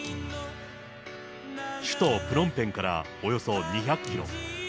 首都プノンペンからおよそ２００キロ。